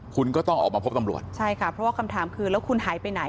คุณก็ต้องออกมาพบตำรวจใช่ค่ะเพราะว่าคำถามคือแล้วคุณหายไปไหน